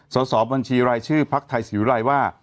สอบบัญชีรายชื่อภักดิ์ไทยศรีวิรัยว่า